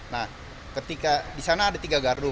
nah ketika di sana ada tiga gardu